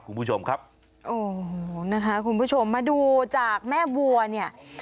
คุณผู้ชมครับโอ้โหนะคะคุณผู้ชมมาดูจากแม่วัวเนี่ย